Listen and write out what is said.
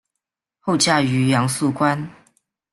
后嫁于杨肃观。